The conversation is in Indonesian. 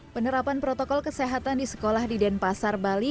penerapan protokol kesehatan di sekolah di denpasar bali